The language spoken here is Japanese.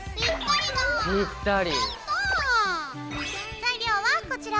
材料はこちら。